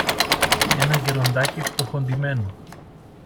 ένα γεροντάκι φτωχοντυμένο